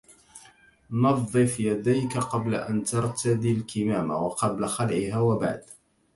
نظّف يديك قبل أن ترتدي الكمامة، وقبل خلعها وبعده.